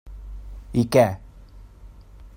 I què!